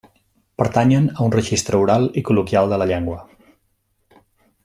Pertanyen a un registre oral i col·loquial de la llengua.